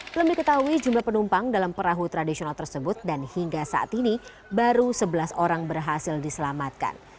belum diketahui jumlah penumpang dalam perahu tradisional tersebut dan hingga saat ini baru sebelas orang berhasil diselamatkan